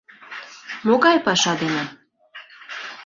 — Могай паша дене?